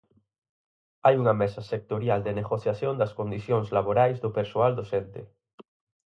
Hai unha mesa sectorial de negociación das condicións laborais do persoal docente.